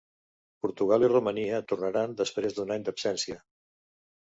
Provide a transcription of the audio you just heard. Portugal i Romania tornaran després d'un any d'absència.